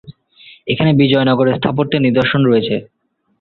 এখানে বিজয়নগর স্থাপত্যের নিদর্শন রয়েছে।